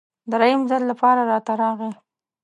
دریم ځل لپاره راته راغی.